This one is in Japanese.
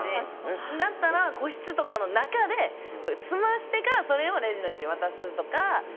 だったら個室とかの中で済ましてからレジの人に渡すとか。